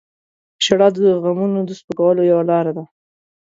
• ژړا د غمونو د سپکولو یوه لاره ده.